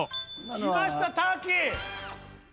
きましたターキー！